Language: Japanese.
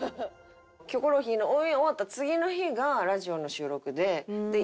『キョコロヒー』のオンエア終わった次の日がラジオの収録で。